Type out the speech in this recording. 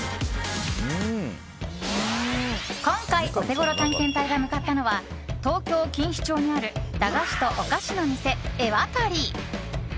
今回、オテゴロ探検隊が向かったのは東京・錦糸町にある駄菓子とおかしのみせエワタリ。